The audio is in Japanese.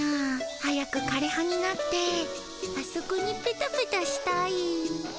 早く枯れ葉になってあそこにペタペタしたい。